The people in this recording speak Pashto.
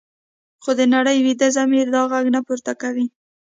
خو د نړۍ ویده ضمیر دا غږ نه پورته کوي.